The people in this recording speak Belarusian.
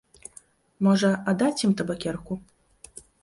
Можа, аддаць ім табакерку?